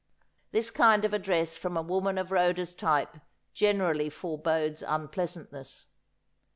This kind of address from a woman of Rhoda's type gene rally forbodes unpleasantness.